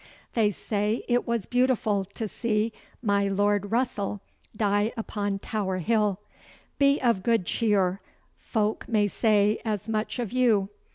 They say it was beautiful to see my Lord Russell die upon Tower Hill. Be of good cheer! Folk may say as much of you.